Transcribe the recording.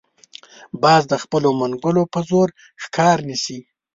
باز د خپلو منګولو په زور ښکار نیسي